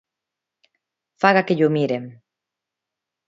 Faga que llo miren.